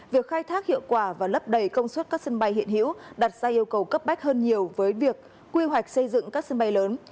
việc khai thác hiệu quả và lấp đầy công suất các sân bay hiện hữu đặt ra yêu cầu cấp bách hơn nhiều với việc quy hoạch xây dựng các sân bay lớn